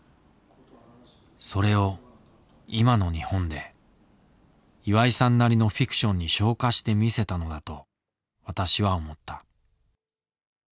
それを今の日本で岩井さんなりのフィクションに昇華してみせたのだと私は思った。